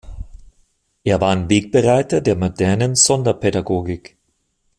Er war ein Wegbereiter der modernen Sonderpädagogik.